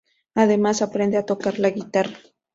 Además, aprende a tocar la guitarra.